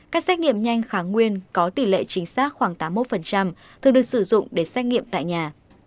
các xét nghiệm nhanh kháng nguyên có tỷ lệ chính xác khoảng tám mươi một thường được sử dụng để xét nghiệm tại nhà